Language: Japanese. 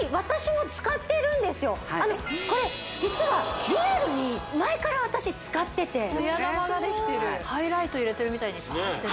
あのこれ実はリアルに前から私使っててツヤダマができてるハイライト入れてるみたいにパーッてね